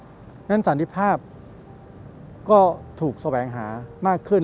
เพราะฉะนั้นสันติภาพก็ถูกแสวงหามากขึ้น